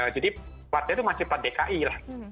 jadi platnya itu masih plat dki lah